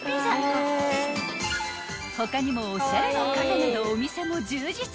［他にもおしゃれなカフェなどお店も充実］